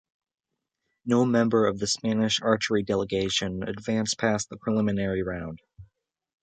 No member of the Spanish archery delegation advanced past the preliminary round.